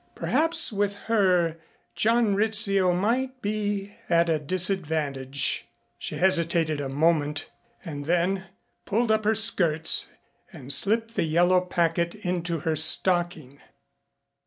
Perhaps with her John Rizzio might be at a disadvantage. She hesitated a moment and then pulled up her skirts and slipped the yellow packet into her stocking.